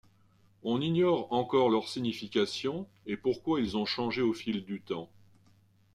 On ignore encore leur signification et pourquoi ils ont changé au fil du temps.